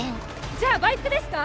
じゃあバイクですか？